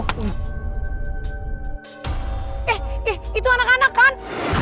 eh itu anak anak kan